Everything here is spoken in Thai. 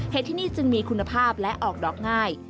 ที่นี่จึงมีคุณภาพและออกดอกง่าย